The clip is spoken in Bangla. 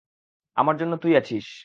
আমার জন্য তুই আছিস।